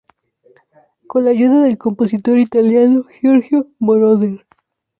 Con la ayuda del compositor italiano Giorgio Moroder.